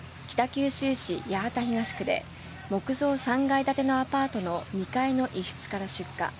北九州市八幡東区で木造３階建てのアパートの２階の一室から出火。